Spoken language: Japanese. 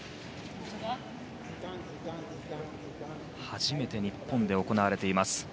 初めて日本で行われています